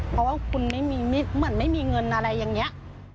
เพราะว่าคุณเหมือนไม่มีเงินอะไรอย่างนี้